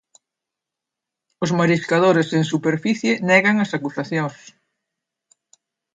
Os mariscadores en superficie negan as acusacións.